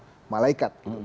kita cari seorang malaikat